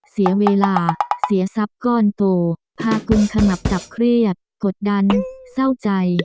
เสียเวลาเสียทรัพย์ก้อนโตพากุลขมับตับเครียดกดดันเศร้าใจ